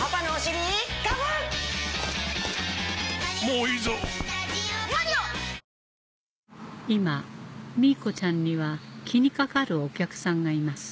もう一度逢いたい今ミーコちゃんには気にかかるお客さんがいます